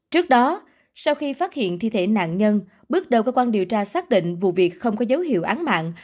trước đó sau khi phát hiện thi thể nạn nhân bước đầu cơ quan điều tra xác định vụ việc không có dấu hiệu án mạng